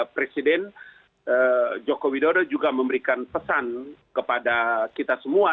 presiden joko widodo juga memberikan pesan kepada kita semua